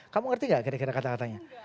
kamu ngerti gak kira kira kata katanya